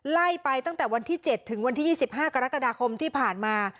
ไล่ไปตั้งแต่วันที่๗ถึงวันที่๒๕กรกฎาคมที่ผ่านมา